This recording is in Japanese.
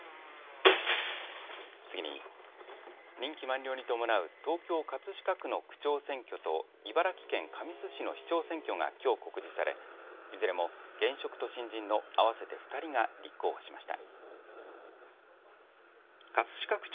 次に、任期満了に伴う東京葛飾区の区長選挙と茨城県神栖市の市長選挙がきょう告示されいずれも現職と新人の合わせて２人が立候補しました。